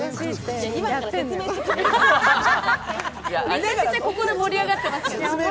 めちゃめちゃここで盛り上がってました。